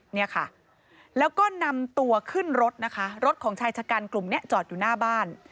เนี่ยค่ะแล้วก็นำตัวขึ้นรถนะคะรถของชายชะกันกลุ่มนี้จอดอยู่หน้าบ้าน